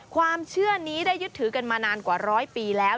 ความเชื่อนี้ได้ยึดถือกันมานานกว่าร้อยปีแล้ว